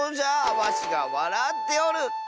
わしがわらっておる！